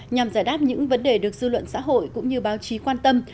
nhằm giải đáp những vấn đề được dư luận xã hội cũng như báo chí quan tâm